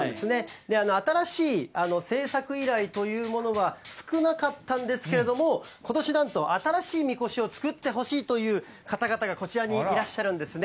新しい製作依頼というものは少なかったんですけれども、ことし、なんと新しい神輿を作ってほしいという方々がこちらにいらっしゃるんですね。